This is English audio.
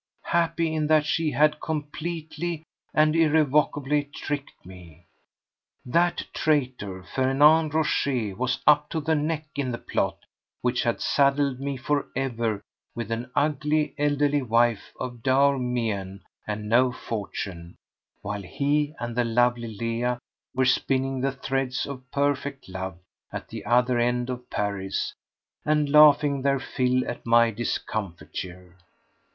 Happy in that she had completely and irrevocably tricked me! That traitor Fernand Rochez was up to the neck in the plot which had saddled me for ever with an ugly, elderly wife of dour mien and no fortune, while he and the lovely Leah were spinning the threads of perfect love at the other end of Paris and laughing their fill at my discomfiture.